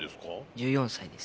１４歳です。